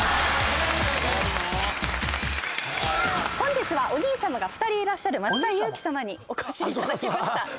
本日はお兄さまが２人いらっしゃる松田ゆう姫さまにお越しいただきました。